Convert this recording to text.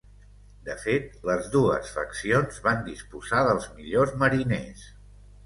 De fet, les dues faccions van disposar dels millors mariners.